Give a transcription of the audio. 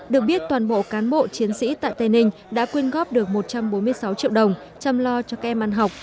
được biết toàn bộ cán bộ chiến sĩ tại tây ninh đã quyên góp được một trăm bốn mươi sáu triệu đồng chăm lo cho các em ăn học